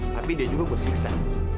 tapi dia juga gue siksa